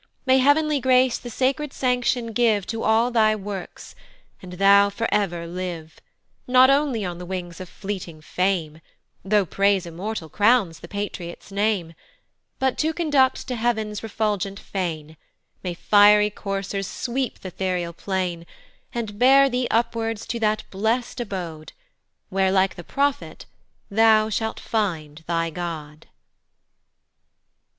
May heav'nly grace the sacred sanction give To all thy works, and thou for ever live Not only on the wings of fleeting Fame, Though praise immortal crowns the patriot's name, But to conduct to heav'ns refulgent fane, May fiery coursers sweep th' ethereal plain, And bear thee upwards to that blest abode, Where, like the prophet, thou shalt find thy God.